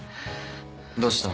どうした？